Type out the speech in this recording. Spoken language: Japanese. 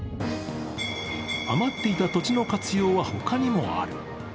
余っていた土地の活用は、ほかにもある。